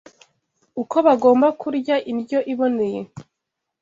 uko bagomba kurya indyo iboneye